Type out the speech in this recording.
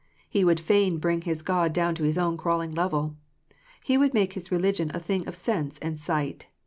He would fain bring his God down to his own crawling level. He would make his religion a thing of sense and sight.